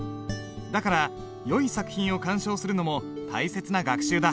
だからよい作品を鑑賞するのも大切な学習だ。